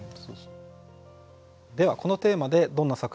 ではこのテーマでどんな作品が生まれたのか。